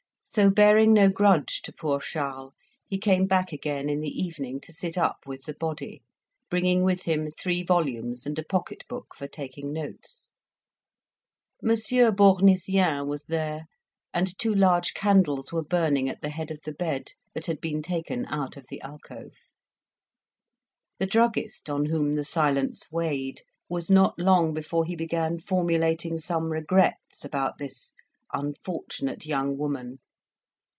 So bearing no grudge to poor Charles, he came back again in the evening to sit up with the body; bringing with him three volumes and a pocket book for taking notes. Monsieur Bournisien was there, and two large candles were burning at the head of the bed, that had been taken out of the alcove. The druggist, on whom the silence weighed, was not long before he began formulating some regrets about this "unfortunate young woman."